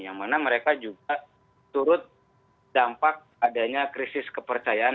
yang mana mereka juga turut dampak adanya krisis kepercayaan